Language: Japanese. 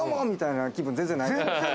みたいな気分、全然ない。